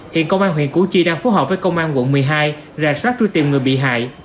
hiện công an huyện củ chi đang phối hợp với công an quận một mươi hai rà sát truy tìm người bị hại